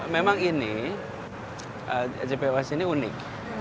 memang ini jpo ini unik